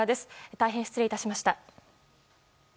大変失礼致しました。